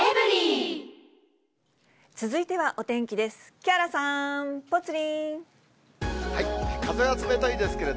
続いてはお天気です。